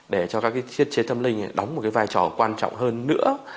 để cho các thiết chế tâm linh đóng một vai trò quan trọng hơn nữa